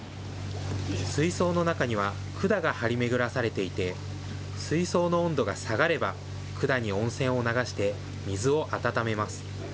水槽の中には管が張り巡らされていて、水槽の温度が下がれば、管に温泉を流して、水を温めます。